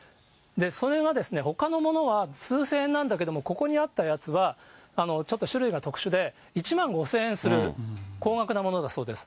それがほかのものは数千円なんだけども、ここにあったやつは、ちょっと種類が特殊で１万５０００円する、高額なものだそうです。